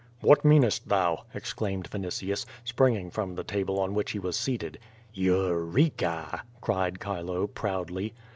"What meanest thou?^' exclaimed Vinitius, springing from the table on which he was seated. "Eureka!" cried Chilo, proudly.